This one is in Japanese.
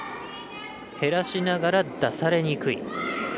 減らしながら出されにくい。